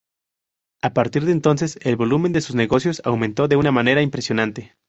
A partir de entonces el volumen de sus negocios aumentó de una manera impresionante.